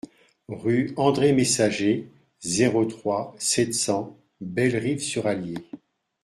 Rue Andre Messager, zéro trois, sept cents Bellerive-sur-Allier